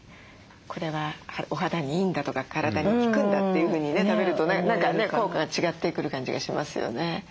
これはお肌にいいんだとか体に効くんだというふうに食べると何かね効果が違ってくる感じがしますよね。